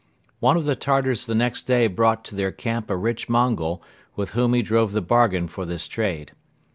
One of the Tartars the next day brought to their camp a rich Mongol with whom he drove the bargain for this trade.